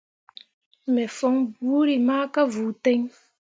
Me fon buuri ma ka vuu ten.